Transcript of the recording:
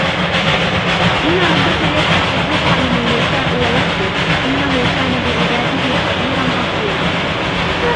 إن ربك يبسط الرزق لمن يشاء ويقدر إنه كان بعباده خبيرا بصيرا